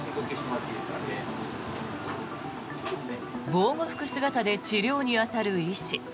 防護服姿で治療に当たる医師。